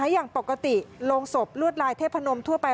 อย่างปกติโรงศพลวดลายเทพนมทั่วไป